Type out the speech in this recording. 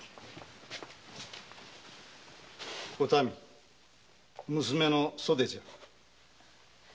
お民娘の袖じゃ。